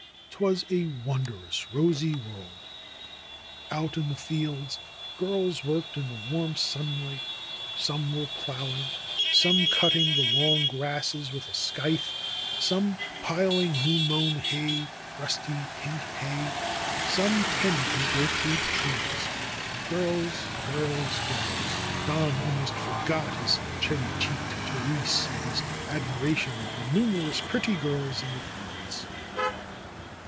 'Twas a wondrous rosy world ! Out in the fields girls worked in the warm sunlight. Some were ploughing, some cutting the long grasses with a scythe, some piling new mown hay, rusty, pink hay. Some tended the orchard trees. Girls, girls, girls ! Don almost forgot his cherry cheeked Therese in his admiration of the numerous pretty girls in the fields.